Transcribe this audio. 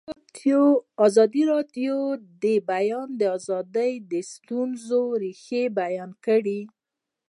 ازادي راډیو د د بیان آزادي د ستونزو رېښه بیان کړې.